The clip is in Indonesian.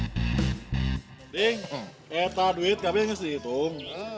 ting kata duit kamu yang harus dihitung